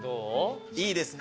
いいですか？